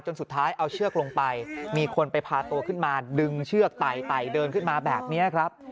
สุดท้ายเอาเชือกลงไปมีคนไปพาตัวขึ้นมาดึงเชือกไต่เดินขึ้นมาแบบนี้ครับ